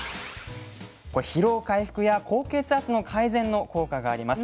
これ「疲労回復や高血圧の改善」の効果があります。